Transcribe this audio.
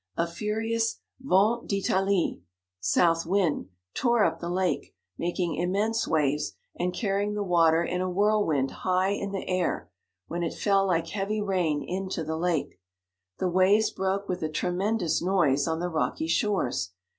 A furious vent d'ltalie (south wind) tore up the lake, making im mense waves, and carrying the water in a whirlwind high in the air, when it fell like heavy rain into the lake. The waves broke with a tremendous noise on the rocky shores.